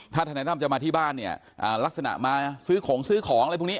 ถ้าทนายตั้มจะมาที่บ้านลักษณะมาซื้อของอะไรพวกนี้